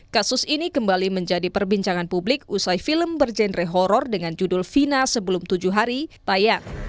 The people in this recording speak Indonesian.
kasus ini kembali menjadi perbincangan publik usai film berjenre horror dengan judul fina sebelum tujuh hari tayang